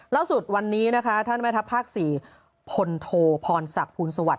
ล่าสุดวันนี้นะคะท่านแม่ทัพภาค๔พลโทพรศักดิ์ภูลสวัสด